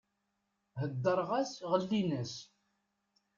Heddreɣ-as ɣellin-as.